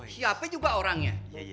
siapa juga orangnya